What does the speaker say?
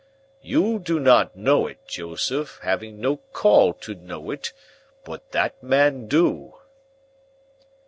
You do not know it, Joseph, having no call to know it, but that man do.